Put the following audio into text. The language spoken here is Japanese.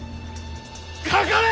かかれ！